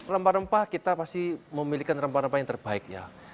rempah rempah kita pasti memiliki rempah rempah yang terbaik ya